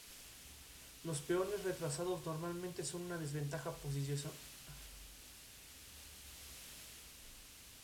Abarca libros, capítulos, artículos y ponencias y versa sobre bibliotecología, bibliografía, enseñanza e historia.